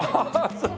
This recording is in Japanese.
そう。